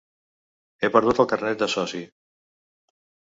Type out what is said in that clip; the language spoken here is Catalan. He perdut el carnet de soci.